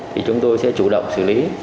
thì chúng tôi sẽ chủ động xử lý